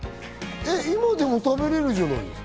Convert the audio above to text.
今でも食べられるじゃないですか。